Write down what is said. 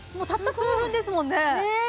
たった数分ですもんね